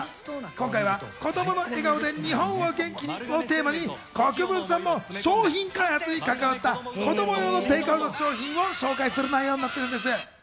今回は「子どもの笑顔で日本を元気に！」をテーマに国分さんも商品開発に関わった子供用のテイクアウト商品を紹介する内容になっているんです。